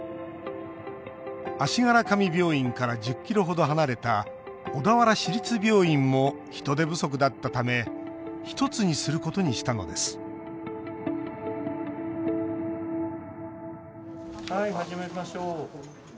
足柄上病院から１０ｋｍ程離れた小田原市立病院も人手不足だったため１つにすることにしたのですはい、始めましょう。